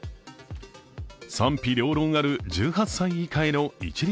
賛否両論ある１８歳以下への一律